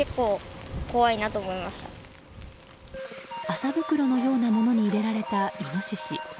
麻袋のようなものに入れられたイノシシ。